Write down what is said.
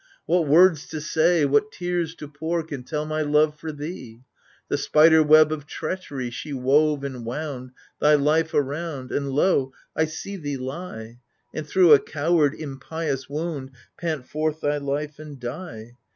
What words to say, what tears to pour Can tell my love for thee ? The spider web of treachery She wove and wound, thy life around. And lo 1 I see thee lie. And thro' a coward, impious wound Pant forth thy life and die